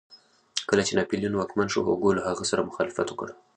کله چې ناپلیون واکمن شو هوګو له هغه سره مخالفت وکړ.